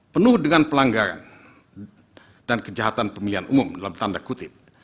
penuh dengan pelanggaran dan kejahatan pemilihan umum dalam tanda kutip